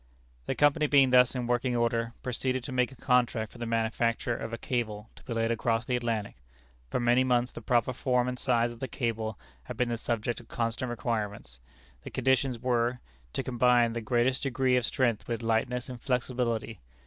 The Company being thus in working order, proceeded to make a contract for the manufacture of a cable to be laid across the Atlantic. For many months the proper form and size of the cable had been the subject of constant experiments. The conditions were: to combine the greatest degree of strength with lightness and flexibility.